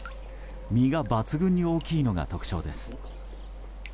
身が抜群に大きいのが特徴です。